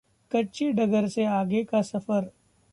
कच्ची डगर से आगे का सफर